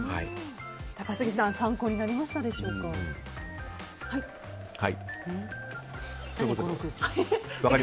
高杉さん参考になりましたでしょうか。